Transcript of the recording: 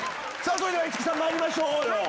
それでは市來さんまいりましょうよ。